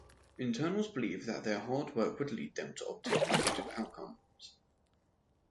Internals believe that their hard work would lead them to obtain positive outcomes.